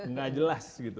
nggak jelas gitu